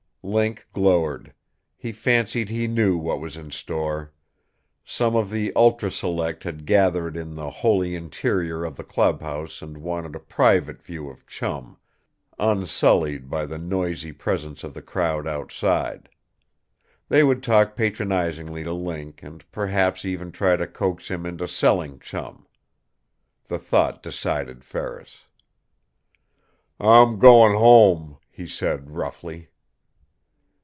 Link glowered. He fancied he knew what was in store. Some of the ultra select had gathered in the holy interior of the clubhouse and wanted a private view of Chum, unsullied by the noisy presence of the crowd outside. They would talk patronizingly to Link, and perhaps even try to coax him into selling Chum. The thought decided Ferris. "I'm goin' home!" he said roughly.